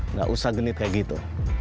nggak usah genit kayak gitu